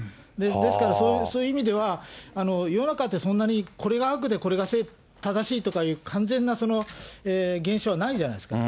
ですから、そういう意味では世の中ってそんなにこれが悪でこれが正しいっていう、完全な現象はないじゃないですか。